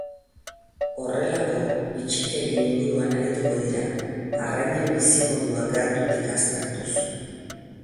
Horrelako bitxikerien inguruan arituko dira, arrainen biizmodua gertutik aztertuz.